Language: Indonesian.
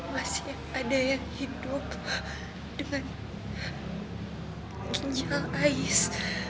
masih ada yang hidup dengan ais